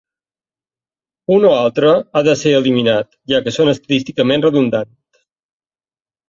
Un o altre ha de ser eliminat, ja que són estadísticament redundant.